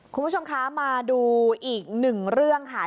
คุณผู้ชมคะมาดูอีกหนึ่งเรื่องค่ะ